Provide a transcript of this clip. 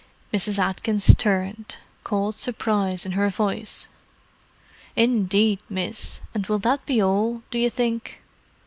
Mrs. Atkins turned, cold surprise in her voice. "Indeed, miss. And will that be all, do you think?"